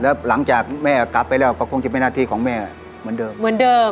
แล้วหลังจากแม่กลับไปแล้วก็คงจะเป็นหน้าที่ของแม่เหมือนเดิมเหมือนเดิม